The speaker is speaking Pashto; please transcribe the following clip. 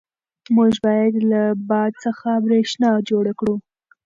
موږ باید له باد څخه برېښنا جوړه کړو.